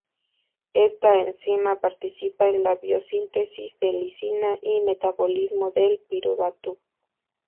Esta enzima participa en la biosíntesis de lisina y metabolismo del piruvato.